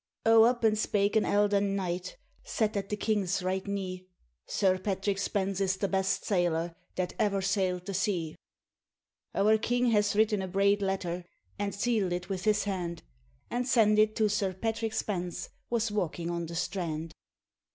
O up and spake an eldern knight, Sat at the king's right knee 'Sir Patrick Spens is the best sailor That ever sailed the sea.' Our king has written a braid letter, And sealed it with his hand, And sent it to Sir Patrick Spens, Was walking on the strand.